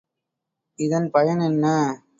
இதன் பயன் என்ன?